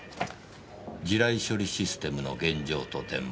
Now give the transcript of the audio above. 「地雷処理システムの現状と展望」